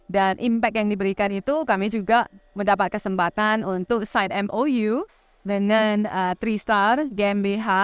dan impact yang diberikan itu kami juga mendapat kesempatan untuk site mou dengan tiga star gmbh